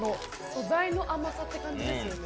素材の甘さって感じですよね。